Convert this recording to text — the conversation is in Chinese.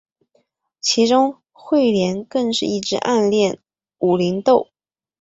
其中彗莲更是一直暗恋武零斗。